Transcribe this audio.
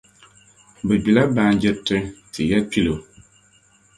Bɛ gbila baanjiriti ti ya Kpilo,